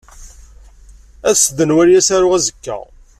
Aset-d ad nwali asaru azekka.